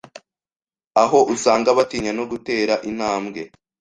aho usanga batinya no gutera intambwe